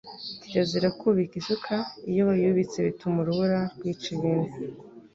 Kirazira kubika isuka, iyo bayubitse bituma urubura rwica ibintu